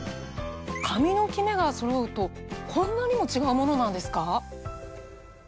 髪のキメがそろうとこんなにも違うものなんですか？